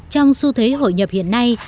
trong xu thế hội nhập hiện nay